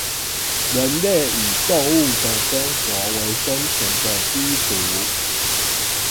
人類以動物的生活為生存的基礎